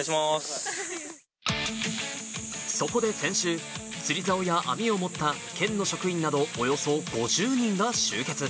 そこで先週、釣りざおや網を持った県の職員などおよそ５０人が集結。